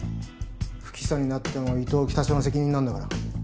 不起訴になっても伊東北署の責任なんだから。